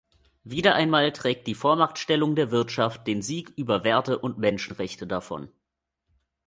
Wieder einmal trägt die Vormachtstellung der Wirtschaft den Sieg über Werte und Menschenrechte davon.